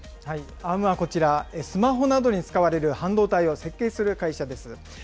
Ａｒｍはこちら、スマホなどに使われる半導体を設計する会社です。